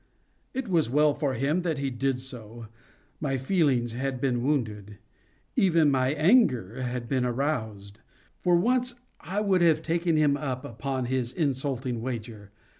It was well for him that he did so. My feelings had been wounded. Even my anger had been aroused. For once I would have taken him up upon his insulting wager.